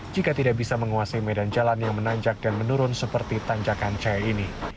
jika tidak bisa menguasai medan jalan yang menanjak dan menurun seperti tanjakan cahaya ini